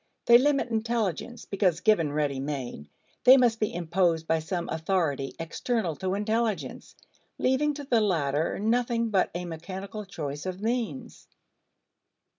They limit intelligence because, given ready made, they must be imposed by some authority external to intelligence, leaving to the latter nothing but a mechanical choice of means.